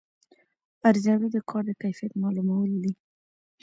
ارزیابي د کار د کیفیت معلومول دي